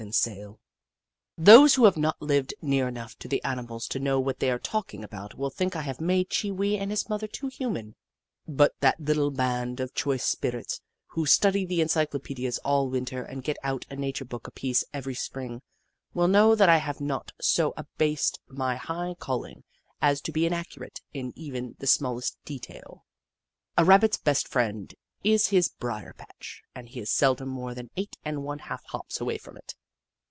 Jenny Ragtail 177 Those who have not Hved near enough to the animals to know what they are talking about will think I have made Chee Wee and his mother too human, but that little band of choice spirits who study the encyclopedias all Winter and get out a Nature Book apiece every Spring, will know that I have not so abased my high calling as to be inaccurate in even the smallest detail. A Rabbit's best friend is his brier patch and he is seldom more than eicrht and one half hops away from it.